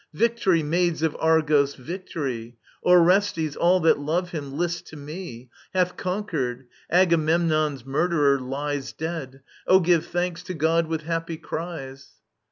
Victory, Maids of Argos, Victory I Orestes ... all that love him, list to me I ••• Hath conquered I Agamemnon's murderer h'es Dead 1 O give thanks to God with happy cries